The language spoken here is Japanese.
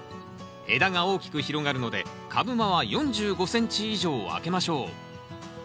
枝が大きく広がるので株間は４５ｃｍ以上空けましょう。